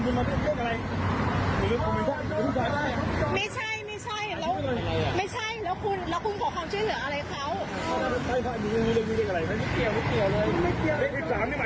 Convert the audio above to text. ครับผมแล้วเป็นอย่างนี้ผมไม่รู้แล้วพี่มาเลี่ยงเรียกกันอะไร